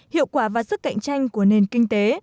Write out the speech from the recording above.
hiệu quả và sức cạnh tranh của nền kinh tế